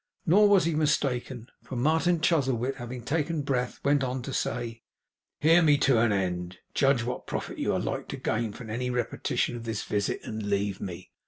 Nor was he mistaken, for Martin Chuzzlewit having taken breath, went on to say: 'Hear me to an end; judge what profit you are like to gain from any repetition of this visit; and leave me.